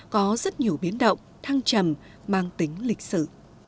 có rất nhiều biến động thăng trầm mang tính lịch sử